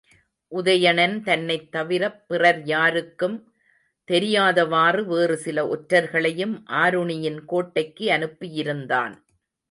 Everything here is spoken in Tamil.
உதயணன் தன்னைத் தவிரப் பிறர் யாருக்கும் தெரியாதவாறு வேறு சில ஒற்றர்களையும் ஆருணியின் கோட்டைக்கு அனுப்பியிருந்தான்.